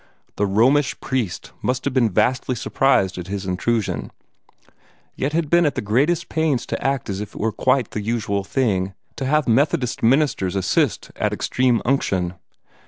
The Romish priest must have been vastly surprised at his intrusion, yet had been at the greatest pains to act as if it were quite the usual thing to have Methodist ministers assist at Extreme Unction.